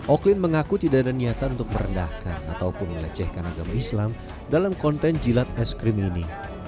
oklin mengaku tidak ada niatan untuk merendahkan ataupun melecehkan agama islam dalam konten jilat es krim ini